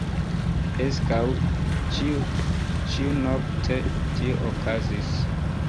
Preskaŭ ĉiunokte tio okazis.